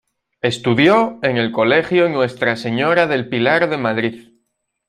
Estudió en el Colegio Nuestra Señora del Pilar de Madrid.